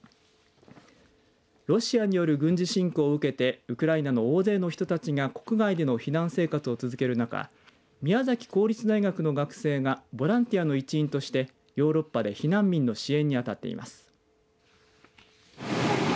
ロシアによる軍事侵攻を受けてウクライナの大勢の人たちが国外での避難生活を続ける中宮崎公立大学の学生がボランティアの一員としてヨーロッパで避難民の支援に当たっています。